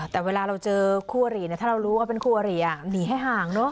แต่เวลาเราเจอคู่อรีเนี่ยถ้าเรารู้ว่าเป็นคู่อารีหนีให้ห่างเนอะ